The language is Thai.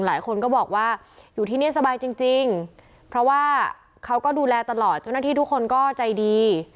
หลายคนก็บอกว่าอยู่ที่นี่สบายจริงเพราะว่าเขาก็ดูแลตลอดเจ้าหน้าที่ทุกคนก็ใจดี